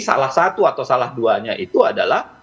salah satu atau salah duanya itu adalah